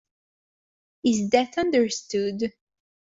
Is that understood?